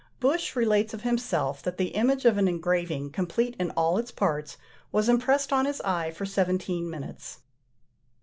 Büsch relates of himself that the image of an engraving, complete in all its parts, was impressed on his eye for seventeen minutes.